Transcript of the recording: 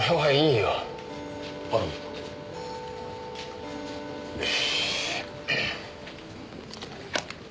よし。